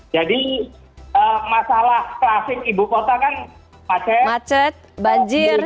jadi masalah klasik ibu kota kan macet banjir